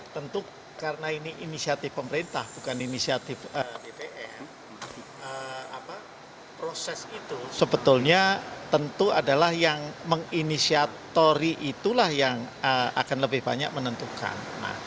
tentu karena ini inisiatif pemerintah bukan inisiatif dpr proses itu sebetulnya tentu adalah yang menginisiatori itulah yang akan lebih banyak menentukan